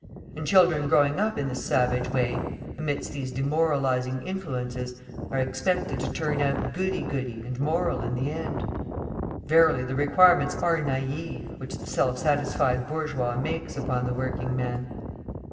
And children growing up in this savage way, amidst these demoralising influences, are expected to turn out goody goody and moral in the end! Verily the requirements are naive, which the self satisfied bourgeois makes upon the working man!